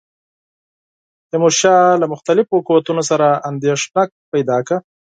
تیمورشاه له مختلفو قوتونو سره اندېښنه پیدا کړه.